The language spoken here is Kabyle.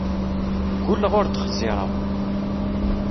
Ggulleɣ ur d-xẓireɣ.